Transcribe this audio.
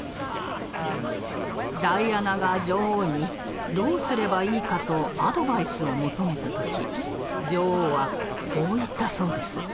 ダイアナが女王にどうすればいいかとアドバイスを求めた時女王はこう言ったそうです。